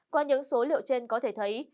qua những số liệu trên có thể thấy